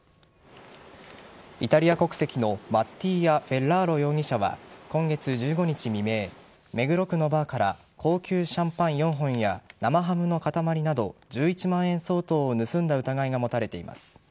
イタリア国籍のマッティーア・フェッラーロ容疑者は今月１５日未明目黒区のバーから高級シャンパン４本や生ハムの塊など１１万円相当を盗んだ疑いが持たれています。